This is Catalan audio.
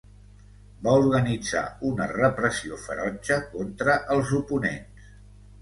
Va organitzar una repressió ferotge contra els oponents.